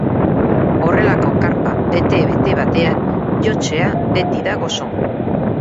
Horrelako karpa bete-bete batean jotzea beti da goxo.